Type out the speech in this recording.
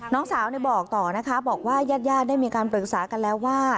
น้องสาวบอกต่อนะคะบอกว่าญาติญาติได้มีการปรึกษากันแล้วว่า